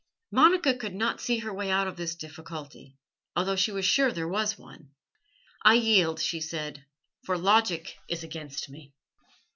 Monica could not see her way out of this difficulty, although she was sure there was one. "I yield," she said, "for logic is against me."